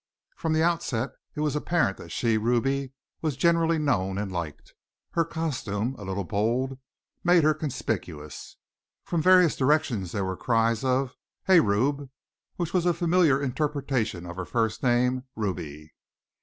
From the outset it was apparent that she, Ruby, was generally known and liked. Her costume a little bold made her conspicuous. From various directions there were cries of "Hey! Rube!" which was a familiar interpretation of her first name, Ruby.